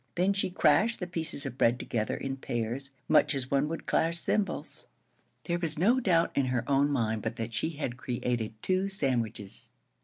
Then she crashed the pieces of bread together in pairs, much as one would clash cymbals. There was no doubt in her own mind but that she had created two sandwiches.